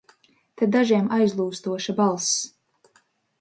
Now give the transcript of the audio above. Te dažiem aizlūstoša balss!